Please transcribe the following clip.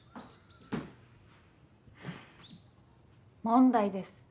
問題です。